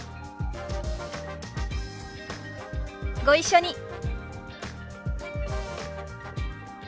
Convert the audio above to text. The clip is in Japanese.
ご一緒に。